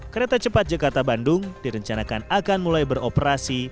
kereta cepat jakarta bandung direncanakan akan mulai beroperasi